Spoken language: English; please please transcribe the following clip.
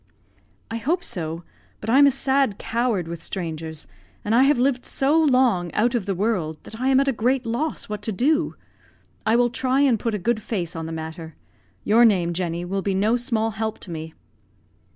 "I hope so; but I'm a sad coward with strangers, and I have lived so long out of the world that I am at a great loss what to do. I will try and put a good face on the matter. Your name, Jenny, will be no small help to me."